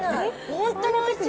本当においしい。